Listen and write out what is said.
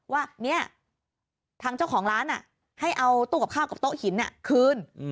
ว่าเนี่ยทางเจ้าของร้านให้เอาตู้กับข้าวกับโต๊ะหินคืน